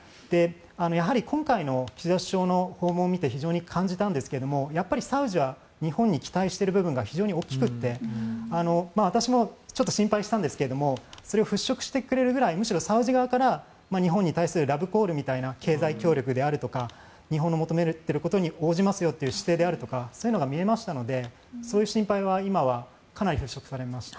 やはり今回の岸田首相の訪問を見て非常に感じたんですがやっぱりサウジは日本に期待している部分が非常に大きくて私もちょっと心配したんですがそれを払しょくしてくれるぐらいむしろサウジ側から日本に対するラブコールみたいな経済協力であるとか日本の求めていることに応じますよという姿勢であるとかそういうのが見えましたのでそういう心配は今はかなり払しょくされました。